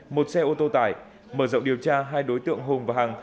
một xe ô tô tải mở rộng điều tra hai đối tượng hùng và hằng